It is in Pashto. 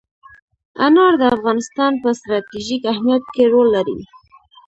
انار د افغانستان په ستراتیژیک اهمیت کې رول لري.